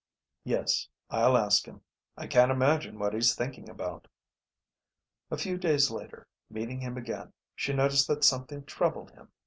"Yes. I'll ask him. I can't imagine what he's thinking about." A few days later, meeting him again, she noticed that something troubled him.